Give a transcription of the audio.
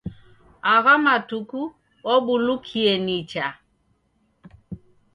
Agha matuku wabulukie nicha.